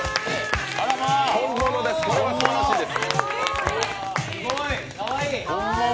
ホンモノォです、これはすばらしいです。